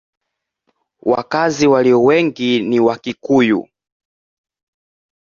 Wakazi walio wengi ni Wakikuyu.